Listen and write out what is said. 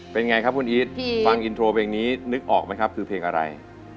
เป็นไงครับคุณอีทฟังอินโทรเพลงนี้นึกออกไหมครับคือเพลงอะไร